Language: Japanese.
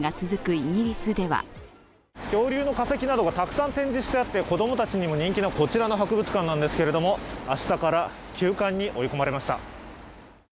イギリスでは恐竜の化石などがたくさん展示してあって子供たちにも人気のこちらの博物館なんですけれど明日から休館に追い込まれました。